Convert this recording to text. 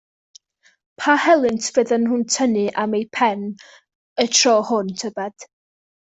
Pa helynt fyddan nhw'n tynnu am eu pen y tro hwn, tybed?